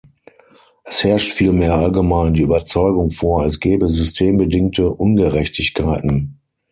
Es herrscht vielmehr allgemein die Überzeugung vor, es gebe systembedingte Ungerechtigkeiten.